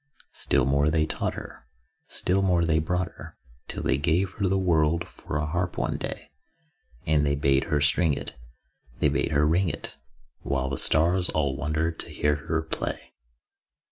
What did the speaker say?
Still more they taught her, Still more they brought her, Till they gave her the world for a harp one day: And they bade her string it, They bade her ring it, While the stars all wondered to hear her play.